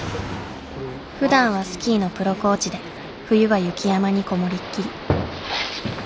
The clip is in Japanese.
ふだんはスキーのプロコーチで冬は雪山に籠もりっきり。